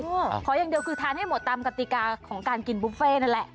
ขออย่างเดียวคือทานให้หมดตามกติกาของการกินบุฟเฟ่นั่นแหละ